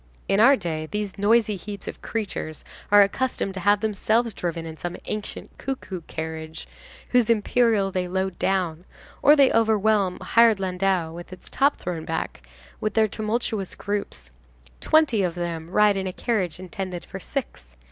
In our day, these noisy heaps of creatures are accustomed to have themselves driven in some ancient cuckoo carriage, whose imperial they load down, or they overwhelm a hired landau, with its top thrown back, with their tumultuous groups. Twenty of them ride in a carriage intended for six.